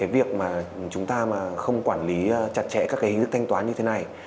việc mà chúng ta mà không quản lý chặt chẽ các cái hình thức thanh toán như thế này